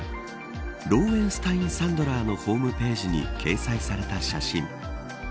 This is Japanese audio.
ローウェンスタイン・サンドラーのホームページに掲載された写真。